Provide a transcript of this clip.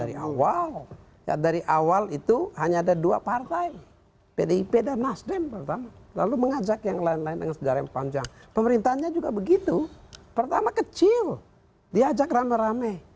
dari awal ya dari awal itu hanya ada dua partai pdip dan nasdem pertama lalu mengajak yang lain lain dengan sejarah yang panjang pemerintahnya juga begitu pertama kecil diajak rame rame